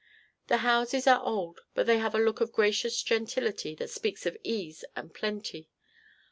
The houses are old, but they have a look of gracious gentility that speaks of ease and plenty.